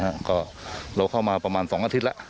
ฮะก็เราเข้าเอามาประมาณสองอาทิตย์และ